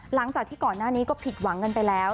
หลังจากที่ก่อนหน้านี้ก็ผิดหวังกันไปแล้ว